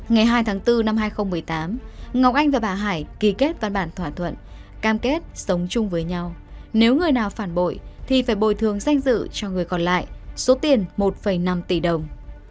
ngày hai tháng bốn năm hai nghìn một mươi tám ngọc anh và bà hải ký kết văn bản thỏa thuận cam kết sống chung với nhau nếu người nào phản bội thì phải bồi thường danh dự cho người còn lại số tiền một năm tỷ đồng